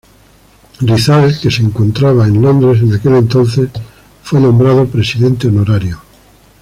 Rizal, que se encontraba en Londres en aquel entonces, fue nombrado Presidente Honorario.